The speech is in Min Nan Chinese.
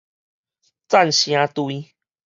贊聲隊